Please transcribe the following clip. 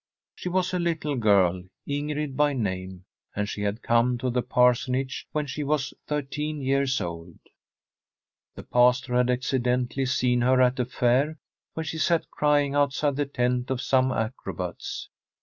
She was a little girl, Ingrid by name, and she had come to the parsonage when she was thirteen years old. The pastor had accidentally seen her at a fair, where she sat crying outside the tent of some acrobats.